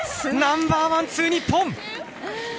ナンバーワン、ツー、日本！